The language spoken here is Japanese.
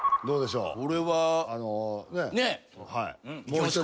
どうでしょう？